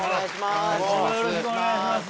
よろしくお願いします。